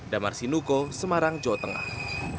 damar sinuko semarang jawa tengah